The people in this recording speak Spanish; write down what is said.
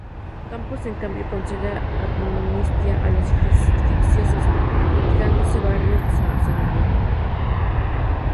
Campos en cambio concede amnistía a los facciosos, retirándose Barrios a San Miguel.